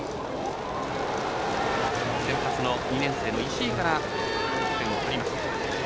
先発の２年生の石井から得点を奪いました。